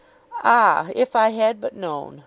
"Ah, if I had but known!"